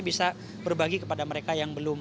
bisa berbagi kepada mereka yang belum